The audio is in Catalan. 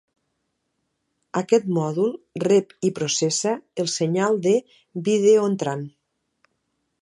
Aquest mòdul rep i processa el senyal de vídeo entrant.